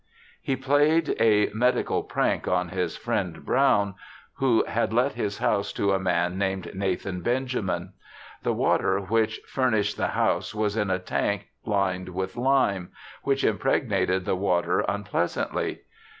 He played a medical prank on his friend Brown, who had let his house to a man named Nathan Benjamin. The water which furnished the house was in a tank lined with lime, which impregnated the water un pleasantly.